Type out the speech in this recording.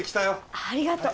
ありがと。